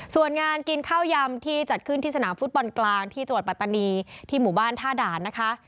ส่วนงานกินข้าวยำที่จัดขึ้นที่สนามฟุตบอลกลางที่จังหวัดปัตตานีที่หมู่บ้านท่าด่านนะคะ